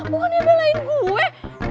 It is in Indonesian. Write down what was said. bukannya belain gue